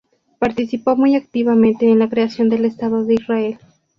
Participó muy activamente en la creación del Estado de Israel.